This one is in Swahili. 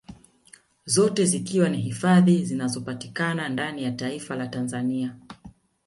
Zote zikiwa ni hifadhi zinazopatikana ndani ya taifa la Tanzania